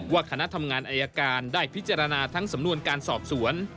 คณะทำงานอายการได้พิจารณาทั้งสำนวนการสอบสวน